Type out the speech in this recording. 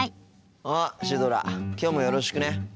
あっシュドラきょうもよろしくね。